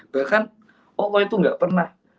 bahkan allah itu nggak pernah